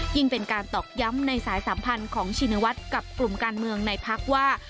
เป็นการตอกย้ำในสายสัมพันธ์ของชินวัฒน์กับกลุ่มการเมืองในพักว่า